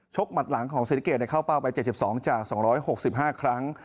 หมัดหลังของศรีสะเกดเข้าเป้าไป๗๒จาก๒๖๕ครั้ง